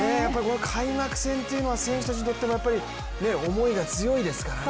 開幕戦というのは選手たちにとっても思いが強いですからね。